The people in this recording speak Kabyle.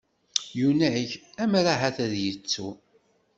Yunag, ammer ahat ad yettu.